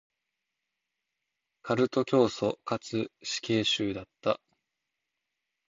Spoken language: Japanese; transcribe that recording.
カルト教祖かつ死刑囚だった。